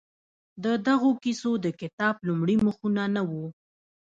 د دغو کیسو د کتاب لومړي مخونه نه وو؟